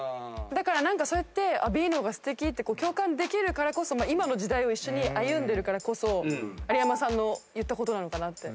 だからそうやってＢの方がすてきって共感できるからこそ今の時代を一緒に歩んでるからこそ有山さんの言ったことなのかなって。